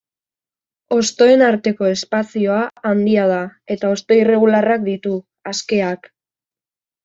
Hostoen arteko espazioa handia da eta hosto irregularrak ditu, askeak.